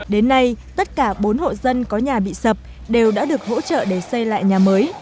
đến nay tất cả bốn hộ dân có nhà bị sập đều đã được hỗ trợ để xây lại nhà mới